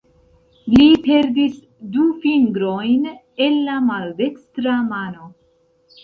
Li perdis du fingrojn el la maldekstra mano.